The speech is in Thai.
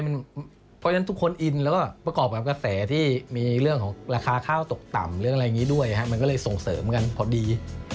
เพราะฉะนั้นทุกคนอินแล้วก็ประกอบกับกระแสที่มีเรื่องของราคาข้าวตกต่ำเรื่องอะไรอย่างนี้ด้วยมันก็เลยส่งเสริมกันพอดี